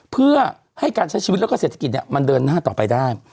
เพื่อให้การใช้ชีวิตแล้วก็เศรษฐกิจมันเดินหน้าต่อไปได้